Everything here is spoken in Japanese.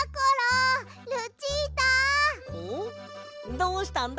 どうしたんだ？